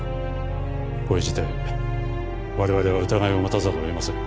これ自体我々は疑いを持たざるを得ません。